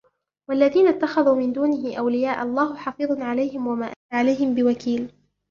والذين اتخذوا من دونه أولياء الله حفيظ عليهم وما أنت عليهم بوكيل